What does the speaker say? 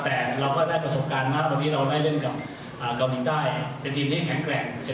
แต่เราก็ได้ประสบการณ์ครับวันนี้เราได้เล่นกับเกาหลีใต้เป็นทีมที่แข็งแกร่ง